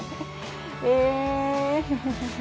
え。